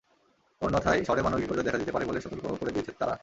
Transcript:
অন্যথায় শহরে মানবিক বিপর্যয় দেখা দিতে পারে বলে সতর্ক করে দিয়েছে তারা।